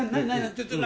ちょっと何？